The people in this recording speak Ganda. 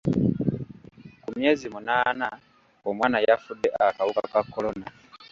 Ku myezi munaana, omwana yafudde akawuka ka kolona.